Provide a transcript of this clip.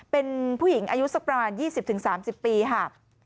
เป็นผู้หญิงอายุสักประมาณ๒๐๓๐ปีค่ะ